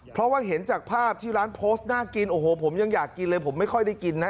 เพราะว่าเห็นจากภาพที่ร้านโพสต์น่ากินโอ้โหผมยังอยากกินเลยผมไม่ค่อยได้กินนะ